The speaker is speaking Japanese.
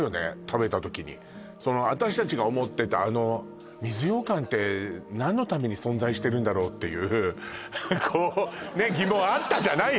食べた時に私達が思ってたあの水ようかんって何のために存在してるんだろうっていうこうねっ疑問あったじゃない